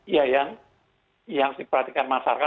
iya yang harus diperhatikan masyarakat